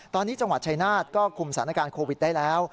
ตอนนี้จังหวัดชายนาฏก็คุมสถานการณ์โควิดได้แล้ว